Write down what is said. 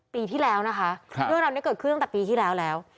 ปีที่แล้วนะคะเรื่องราวนี้เกิดขึ้นตั้งแต่ปีที่แล้วแล้ว